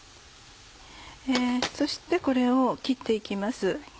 そしてこれを切って行きます。